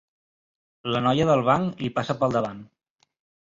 La noia del banc li passa pel davant.